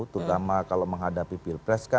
terutama kalau menghadapi pilpeng